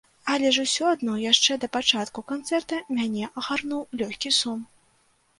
Але ж усё адно яшчэ да пачатку канцэрта мяне агарнуў лёгкі сум.